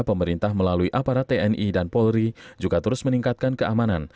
pemerintah melalui aparat tni dan polri juga terus meningkatkan keamanan